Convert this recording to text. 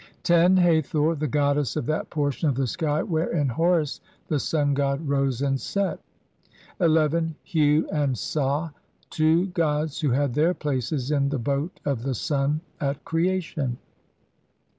10. Hathor, the goddess of that portion of the sky wherein Horus the sun god rose and set. 1 1 . Hu and Sa, two gods who had their places in the boat of the sun at creation.